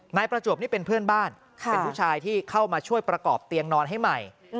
นายประจวบนี่เป็นเพื่อนบ้านเป็นผู้ชายที่เข้ามาช่วยประกอบเตียงนอนให้ใหม่